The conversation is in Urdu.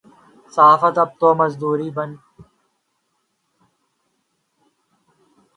صحافت اب تو مزدوری بن کے رہ گئی ہے۔